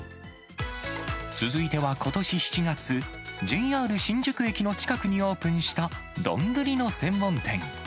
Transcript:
続いては、ことし７月、ＪＲ新宿駅の近くにオープンした丼の専門店。